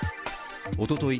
おととい